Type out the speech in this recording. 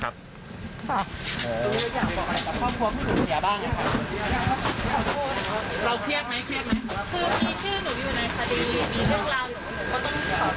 คือมีชื่อหนูอยู่ในสดีมีเรื่องราวหนู